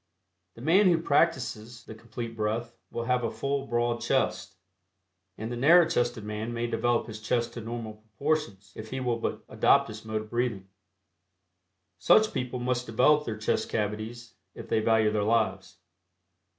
The man who practices the Complete Breath will have a full broad chest, end the narrow chested man may develop his chest to normal proportions if he will but adopt this mode of breathing. Such people must develop their chest cavities if they value their lives.